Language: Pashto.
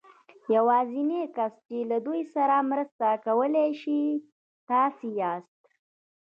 يوازېنی کس چې له دوی سره مرسته کولای شي تاسې ياست.